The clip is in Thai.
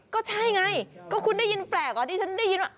ก็ใช่ไงก็คุณได้ยินแปลกที่ฉันได้ยินว่า